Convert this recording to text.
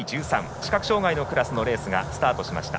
視覚障がいのクラスのレースがスタートしました。